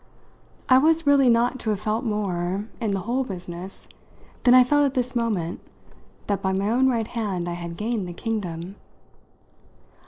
I was really not to have felt more, in the whole business, than I felt at this moment that by my own right hand I had gained the kingdom.